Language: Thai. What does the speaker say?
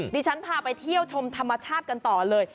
ดิฉันพาไปเที่ยวชมธรรมชาติกันต่อเลย